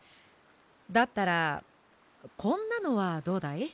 だったらこんなのはどうだい？